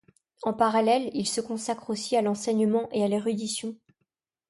En parallèle il se consacre aussi à l'enseignement et à l'érudition.